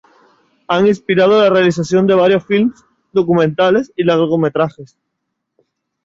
Han inspirado la realización de varios filmes documentales y largometrajes.